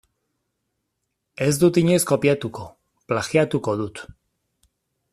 Ez dut inoiz kopiatuko, plagiatuko dut.